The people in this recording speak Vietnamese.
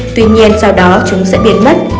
tuy nhiên sau đó chúng sẽ biến mất